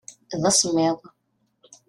D asemmiḍ.